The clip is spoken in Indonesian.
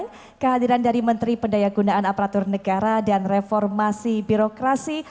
untuk kita mengundang kehadiran dari menteri pendayagunaan aparatur negara dan reformasi birokrasi